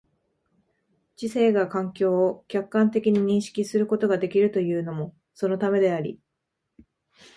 知性が環境を客観的に認識することができるというのもそのためであり、